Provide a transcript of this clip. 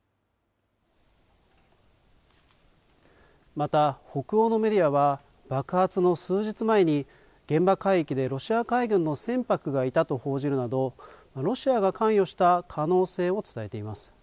また、北欧のメディアは、爆発の数日前に、現場海域でロシア海軍の船舶がいたと報じるなど、ロシアが関与した可能性を伝えています。